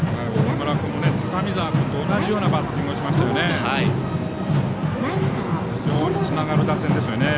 岡村君も高見澤君と同じようなバッティングをしましたよね。